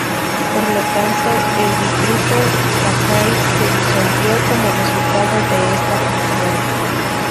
Por lo tanto, el distrito Sakai se disolvió como resultado de esta fusión.